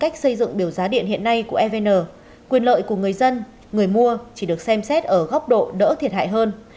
cách xây dựng biểu giá điện hiện nay của evn quyền lợi của người dân người mua chỉ được xem xét ở góc độ đỡ thiệt hại hơn